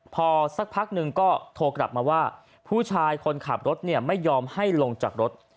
พอสักพักหนึ่งก็โทรกลับมาว่าผู้ชายคนขับรถเนี่ยไม่ยอมให้ลงจากรถ